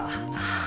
ああ。